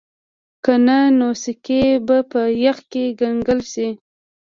که نه نو سکي به په یخ کې کنګل شي